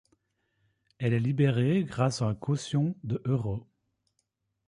Elle est libérée grâce à une caution de euros.